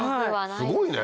すごいね！